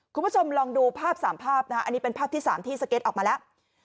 คุณผู้ชมลองดูภาพ๓ภาพนะฮะอันนี้เป็นภาพที่๓ที่สเก็ตออกมาแล้ว